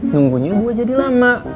nunggunya gue jadi lama